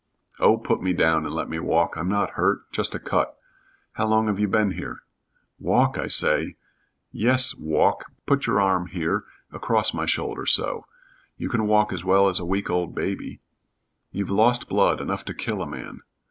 "Oh, put me down and let me walk. I'm not hurt. Just a cut. How long have you been here?" "Walk! I say! Yes, walk! Put your arm here, across my shoulder, so. You can walk as well as a week old baby. You've lost blood enough to kill a man."